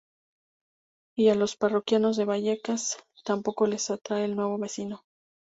Y a los parroquianos de Vallecas, tampoco les atrae el nuevo vecino.